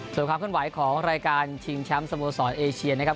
ส่วนความเคลื่อนไหวของรายการชิงแชมป์สโมสรเอเชียนะครับ